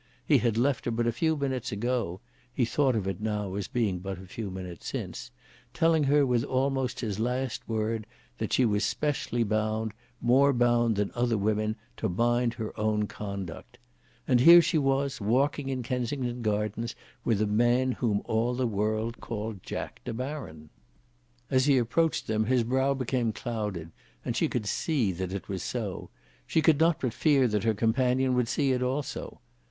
He had left her but a few minutes ago, he thought of it now as being but a few minutes since, telling her with almost his last word that she was specially bound, more bound than other women, to mind her own conduct, and here she was walking in Kensington Gardens with a man whom all the world called Jack De Baron? As he approached them his brow became clouded, and she could see that it was so. She could not but fear that her companion would see it also.